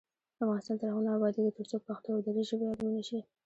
افغانستان تر هغو نه ابادیږي، ترڅو پښتو او دري ژبې علمي نشي.